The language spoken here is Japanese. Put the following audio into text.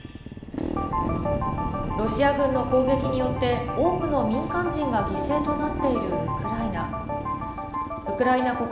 ロシア軍の攻撃によって多くの民間人が犠牲となっているウクライナ。